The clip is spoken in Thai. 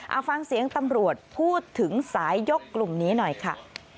เอาฟังเสียงตำรวจพูดถึงสายยกกลุ่มนี้หน่อยค่ะ